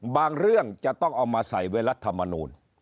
เรื่องจะต้องเอามาใส่ไว้รัฐมนูล